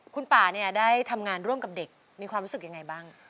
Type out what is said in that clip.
คุณป่าเนี่ยได้ทำงานร่วมกับเด็กมีความรู้สึกยังไงบ้าง